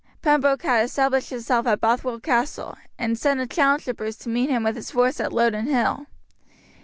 Pembroke had established himself at Bothwell Castle, and sent a challenge to Bruce to meet him with his force at Loudon Hill.